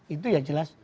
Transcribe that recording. itu ya jelas